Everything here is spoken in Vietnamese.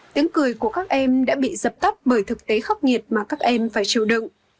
tiếng cười của các em đã bị dập tắt bởi thực tế khóc nghiệt mà các em phải chịu đựng